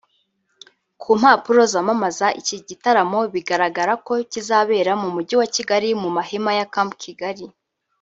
Ku mpapuro zamamaza iki igitaramo bigaragara ko kizabera mu mugi wa Kigali mu mahema ya “Camp Kigali”